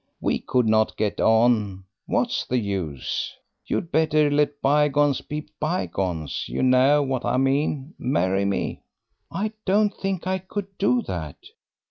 We could not get on; what's the use? You'd better let bygones be bygones. You know what I mean marry me." "I don't think I could do that."